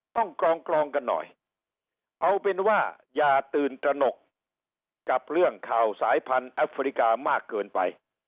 กรองกรองกันหน่อยเอาเป็นว่าอย่าตื่นตระหนกกับเรื่องข่าวสายพันธุ์แอฟริกามากเกินไป